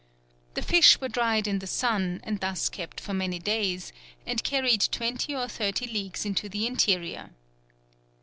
The fish were dried in the sun, and thus kept for many days, and carried twenty or thirty leagues into the interior.